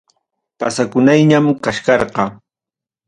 Pasakunayñam kachkarqa.